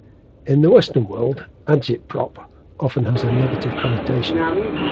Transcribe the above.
In the Western world, "agitprop" often has a negative connotation.